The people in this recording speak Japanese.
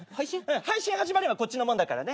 配信始まればこっちのもんだからね。